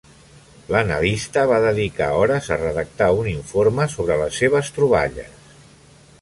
L'analista va dedicar hores a redactar un informe sobre les seves troballes.